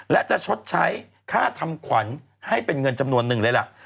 และจะชดใช้ค่าทำขวัญให้เป็นเงินจำนวนหนึ่งเลยล่ะ